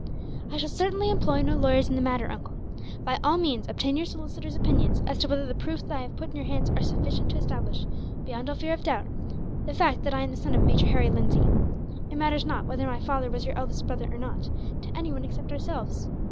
"I shall certainly employ no lawyers in the matter, uncle. By all means, obtain your solicitor's opinion as to whether the proofs I have put in your hands are sufficient to establish, beyond all fear of doubt, the fact that I am the son of Major Harry Lindsay. It matters not whether my father was your elder brother or not, to anyone except ourselves.